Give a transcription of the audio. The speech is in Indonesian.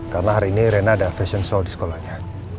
karena hari ini rena ada fashion show di sekolahnya